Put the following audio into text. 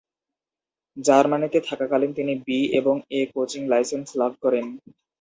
জার্মানিতে থাকাকালীন তিনি বি এবং এ কোচিং লাইসেন্স লাভ করেন।